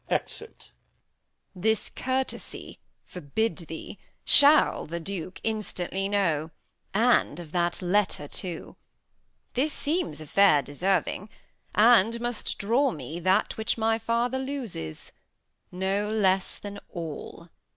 Exit. Edm. This courtesy, forbid thee, shall the Duke Instantly know, and of that letter too. This seems a fair deserving, and must draw me That which my father loses no less than all.